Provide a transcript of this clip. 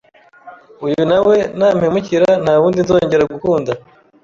uyu nawe nampemukira ntawundi nzongera gukunda